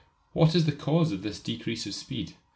What is the cause of this decrease of speed?